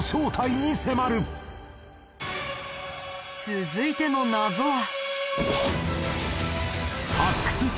続いての謎は。